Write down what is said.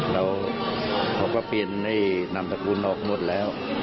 แล้วเขาก็ปินให้นำพระคุณออกหมดแล้ว